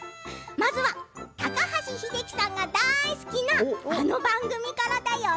まずは高橋英樹さんが大好きなあの番組からだよ。